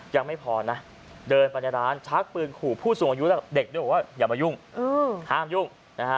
ยังไม่พอนะเดินไปในร้านชักปืนขู่ผู้สูงอายุแล้วเด็กด้วยบอกว่าอย่ามายุ่งห้ามยุ่งนะฮะ